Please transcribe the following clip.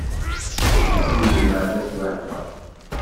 Ad t-yejmeɛ taswiɛt-a.